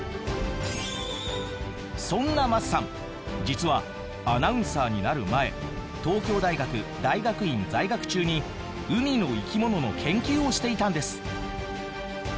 そんな桝さん実はアナウンサーになる前東京大学大学院在学中に海の生き物の研究をしていたんです。